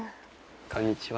こんにちは。